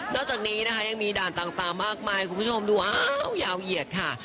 จากนี้นะคะยังมีด่านต่างมากมายคุณผู้ชมดูอ้าวยาวเหยียดค่ะ